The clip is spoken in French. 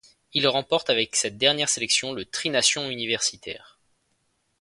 Il remporte avec cette dernière sélection le Tri-nations universitaire.